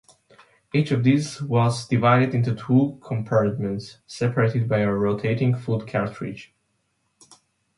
Each of these was divided into two compartments, separated by a rotating food cartridge.